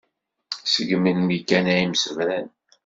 Seg melmi kan ay msebran.